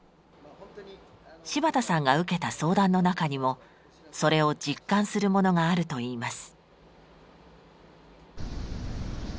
柴田さんが受けた相談の中にもそれを実感するものがあるといいます。